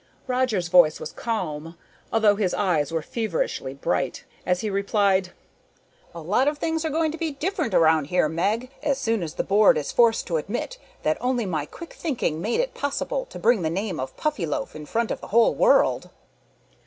Roger's voice was calm, although his eyes were feverishly bright, as he replied, "A lot of things are going to be different around here, Meg, as soon as the Board is forced to admit that only my quick thinking made it possible to bring the name of Puffyloaf in front of the whole world."